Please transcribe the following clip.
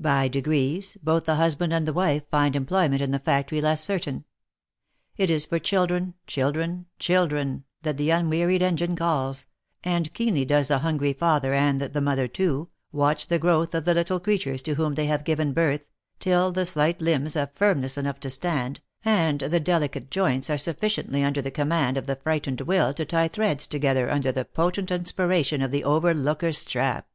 By degrees, both the husband and the wife find employment in the factory less certain. It is for children, children, children, that the unwearied engine calls, and keenly does the hungry father, and the mother too, watch the growth of the little creatures to whom they have given birth, till the slight limbs have firmness enough to stand, and the delicate joints are sufficiently under the command of the frightened will to tie threads 204 THE LIFE AND ADVENTURES together under the potent inspiration of the overlooker's strap.